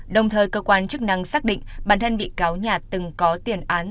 đồng thời cơ quan chức năng xác định bản thân bị cáo nhà từng có tiền án